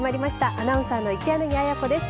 アナウンサーの一柳亜矢子です。